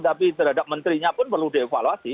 tapi terhadap menterinya pun perlu dievaluasi